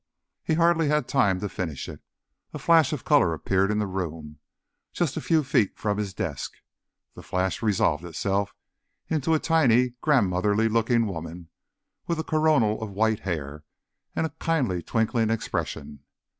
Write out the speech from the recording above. _ He hardly had time to finish it. A flash of color appeared in the room, just a few feet from his desk. The flash resolved itself into a tiny, grandmotherly looking woman with a corona of white hair and a kindly, twinkling expression.